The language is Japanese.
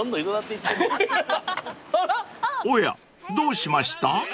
［おやどうしました？］